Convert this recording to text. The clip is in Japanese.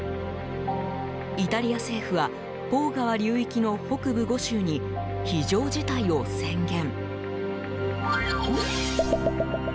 イタリア政府はポー川流域の北部５州に非常事態を宣言。